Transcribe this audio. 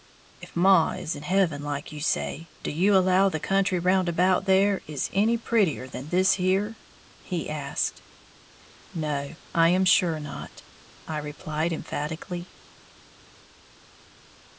"If maw is in heaven, like you say, do you allow the country round about there is any prettier than this here?" he asked. "No, I am sure not," I replied, emphatically.